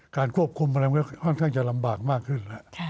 การควบคุมมันก็ค่อนข้างจะลำบากมากขึ้น